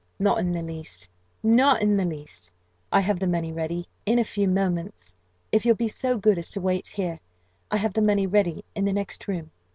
"Not in the least not in the least. I have the money ready in a few moments if you'll be so good as to wait here I have the money ready in the next room."